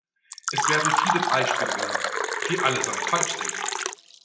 Es werden viele Beispiele genannt, die allesamt falsch sind.